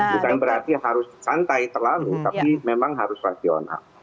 bukan berarti harus santai terlalu tapi memang harus rasional